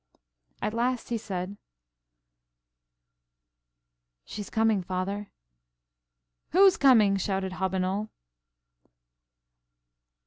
At last he said, "She's coming, father." "Who's coming?" shouted Hobbinoll.